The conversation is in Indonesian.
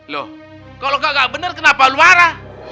loh kalau gak benar kenapa luara